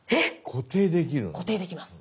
固定できます。